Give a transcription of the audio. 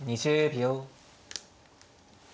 ２０秒。